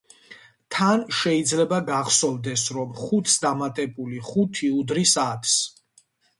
თან, შეიძლება გახსოვდეს, რომ ხუთს დამატებული ხუთი უდრის ათს.